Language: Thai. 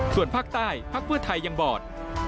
ส่วนภาคใต้พักเพื่อไทยยังบอด